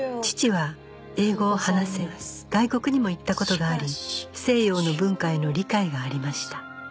父は英語を話せ外国にも行った事があり西洋の文化への理解がありました